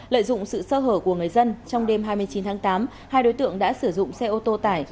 lợi dụng sự sơ hở của người dân trong đêm hai mươi chín tháng tám hai đối tượng đã sử dụng xe ô tô tải